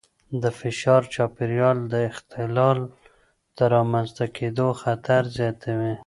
د فشار چاپېریال د اختلال د رامنځته کېدو خطر زیاتوي.